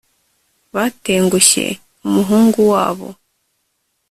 batengushye umuhungu wabo